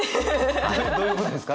どういうことですか？